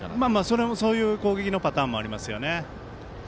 それもそういう攻撃のパターンもありますよね。